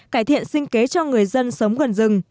cải thiện sinh kế cho người dân sống gần rừng